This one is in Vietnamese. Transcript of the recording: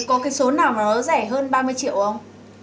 ờ vâng vâng